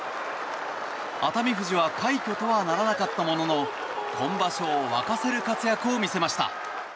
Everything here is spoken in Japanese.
熱海富士は快挙とはならなかったものの今場所を沸かせる活躍を見せました。